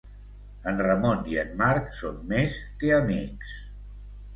En Ramon i en Marc són més que amics.